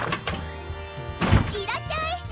いらっしゃい！